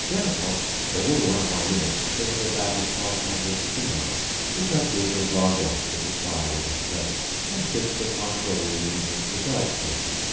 Thereupon I order one of my eunuchs to bring me a bag of five hundred dinars which I give as largesse to the tire women present and bid them one and all lead me to the bride chamber.